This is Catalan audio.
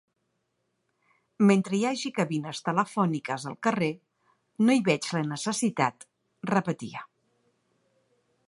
Mentre hi hagi cabines telefòniques al carrer, no hi veig la necessitat, repetia.